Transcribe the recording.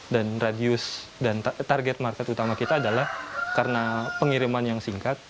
dan radius dan target market utama kita adalah karena pengiriman yang singkat